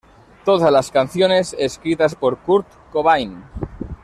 Todas las canciones escritas por Kurt Cobain.